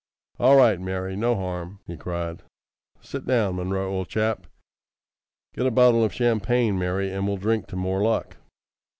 "All right, Mary, no harm!" he cried. "Sit down, Munro, old chap. Get a bottle of champagne, Mary, and we'll drink to more luck."